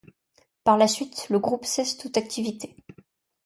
Par la suite, le groupe cesse toute activité.